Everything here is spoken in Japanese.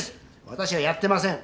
私はやってません。